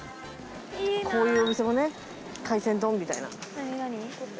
こういうお店もね海鮮丼みたいな。